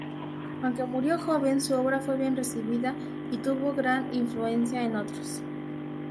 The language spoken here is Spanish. Aunque murió joven, su obra fue bien recibida y tuvo gran influencia en otros.